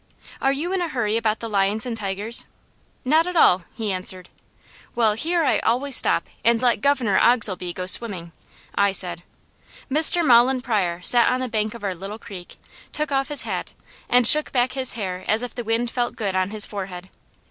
"Are you in a hurry about the lions and tigers?" "Not at all," he answered. "Well, here I always stop and let Governor Oglesby go swimming," I said. Mr. Mahlon Pryor sat on the bank of our Little Creek, took off his hat and shook back his hair as if the wind felt good on his forehead.